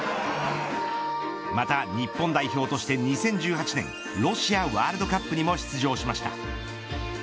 また日本代表として２０１８年ロシアワールドカップにも出場しました。